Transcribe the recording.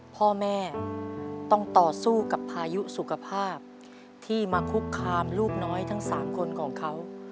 พ่อแม่ต้องต่อสู้กับพายุสุขภาพที่มาคุกคามลูกน้อยทั้ง๓คนของเขา